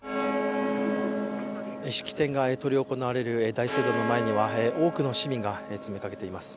式典が執り行われる大聖堂の前には多くの市民が詰めかけています。